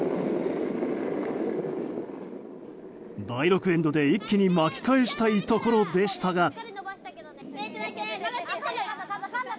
第６エンドで一気に巻き返したいところでしたが。